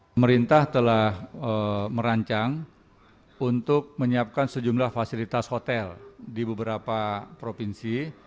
pemerintah telah merancang untuk menyiapkan sejumlah fasilitas hotel di beberapa provinsi